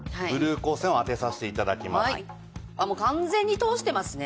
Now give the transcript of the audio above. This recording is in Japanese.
あっもう完全に通してますね。